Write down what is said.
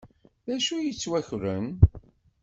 Dacu i yettwakren?